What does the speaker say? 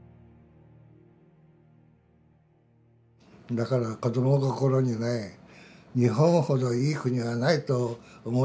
だから子ども心にね日本ほどいい国はないと思ってたんだよ。